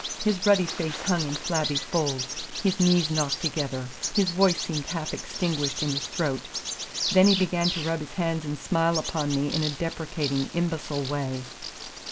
His ruddy face hung in flabby folds, his knees knocked together, his voice seemed half extinguished in his throat. Then he began to rub his hands and smile upon me in a deprecating, imbecile way.